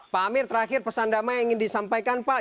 pak amir terakhir pesan damai yang ingin disampaikan pak